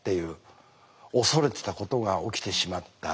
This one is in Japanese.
恐れてたことが起きてしまった。